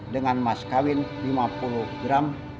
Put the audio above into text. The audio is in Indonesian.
dengan mas kawin lima puluh gram